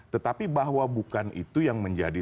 tetapi bahwa bukan itu yang menjadi